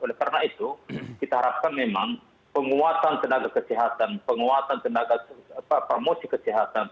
oleh karena itu kita harapkan memang penguatan tenaga kesehatan penguatan promosi kesehatan